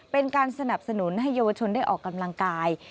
เป็นการสนับสนุนให้เยาวชนได้ออกกำลังกาย